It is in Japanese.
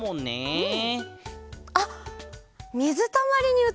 うん。